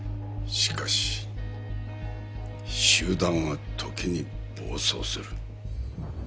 しかし集団は時に暴走する。